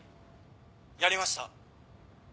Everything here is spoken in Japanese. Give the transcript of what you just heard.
やりました。